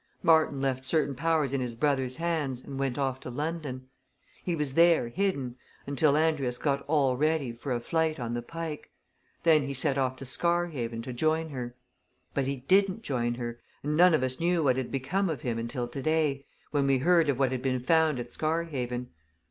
Martin left certain powers in his brother's hands and went off to London. He was there, hidden, until Andrius got all ready for a flight on the Pike. Then he set off to Scarhaven, to join her. But he didn't join her, and none of us knew what had become of him until today, when we heard of what had been found at Scarhaven.